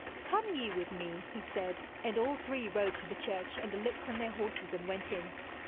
'Come ye with me,' he said, and all three rode to the church, and alit from their horses and went in.